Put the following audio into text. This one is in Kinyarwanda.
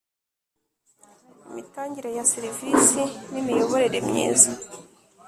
Imitangire ya serivisi n’ Imiyoborere myiza